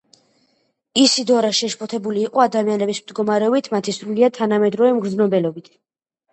ისიდორა შეშფოთებული იყო ადამიანების მდგომარეობით, მათი სრულიად თანამედროვე მგრძნობელობით.